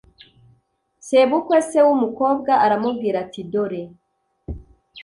Sebukwe se w umukobwa aramubwira ati Dore